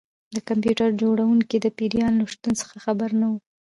د کمپیوټر جوړونکی د پیریان له شتون څخه خبر نه و